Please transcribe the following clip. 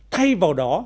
thay vào đó